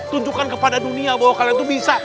tunjukkan kepada dunia bahwa kalian itu bisa